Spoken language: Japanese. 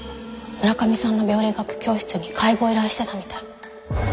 村上さんの病理学教室に解剖を依頼してたみたい。